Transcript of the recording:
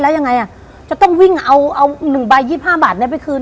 แล้วยังไงอ่ะจะต้องวิ่งเอาเอาหนึ่งใบยี่สิบห้ามบาทนี่ไปคืน